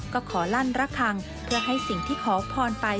ก็ขอลั่นระคังเพื่อให้สิ่งที่ขอพรไป